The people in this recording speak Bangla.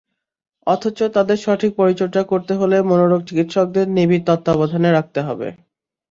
অথচ তাদের সঠিক পরিচর্যা করতে হলে মনোরোগ চিকিৎসকদের নিবিড় তত্ত্বাবধানে রাখতে হবে।